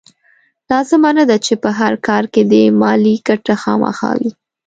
لازمه نه ده چې په هر کار کې دې مالي ګټه خامخا وي.